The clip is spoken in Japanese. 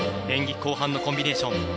演技後半のコンビネーション。